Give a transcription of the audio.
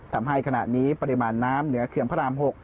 ทำให้ขณะนี้ปริมาณน้ำเหนือเขื่อนพระราม๖